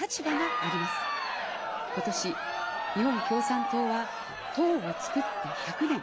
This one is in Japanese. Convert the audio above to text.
今年、日本共産党は党をつくって１００年。